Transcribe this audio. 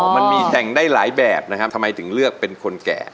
มันมีแสงได้หลายแบบนะครับทำไมถึงเลือกเป็นคนแก่